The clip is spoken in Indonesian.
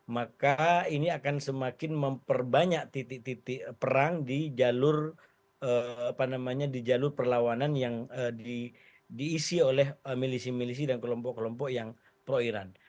maka ini akan semakin memperbanyak titik titik perang di jalur perlawanan yang diisi oleh milisi milisi dan kelompok kelompok yang proiran